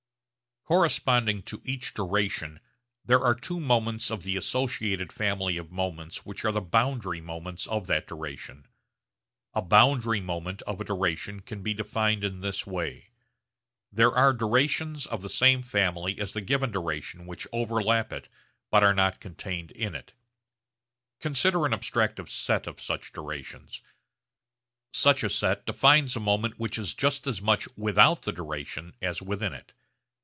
Corresponding to each duration there are two moments of the associated family of moments which are the boundary moments of that duration. A 'boundary moment' of a duration can be defined in this way. There are durations of the same family as the given duration which overlap it but are not contained in it. Consider an abstractive set of such durations. Such a set defines a moment which is just as much without the duration as within it.